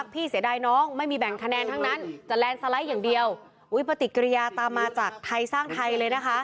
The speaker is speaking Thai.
พี่ไม่จะแรนสไลท์อย่างเดียวโอ้ยปฏิกิริยาตามมาจากไทยสร้างไทยเลยนะคะ